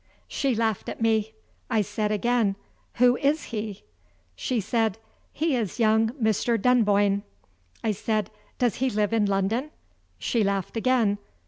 She laughed at me. I said again: "Who is he?" She said: "He is young Mr. Dunboyne." I said: "Does he live in London?" She laughed again.